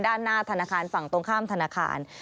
ด้านหน้าธนาคารฝั่งตรงข้ามธนาคาร